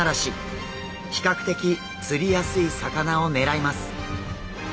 比較的釣りやすい魚を狙います。